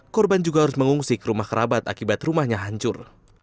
korban juga harus mengungsi ke rumah kerabat akibat rumahnya hancur